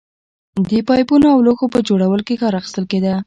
د پایپونو او لوښو په جوړولو کې کار اخیستل کېده